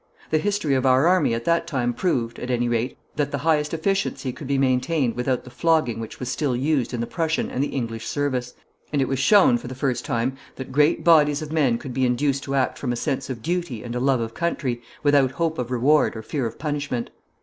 The history of our army at that time proved, at any rate, that the highest efficiency could be maintained without the flogging which was still used in the Prussian and the English service, and it was shown, for the first time, that great bodies of men could be induced to act from a sense of duty and a love of country, without hope of reward or fear of punishment.